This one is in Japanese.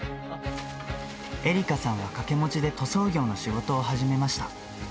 絵里香さんは掛け持ちで塗装業の仕事を始めました。